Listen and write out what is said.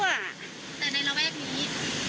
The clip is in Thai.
แต่ในระวัตินี้